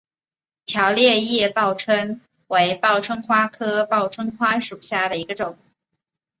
条裂叶报春为报春花科报春花属下的一个种。